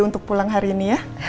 untuk pulang hari ini ya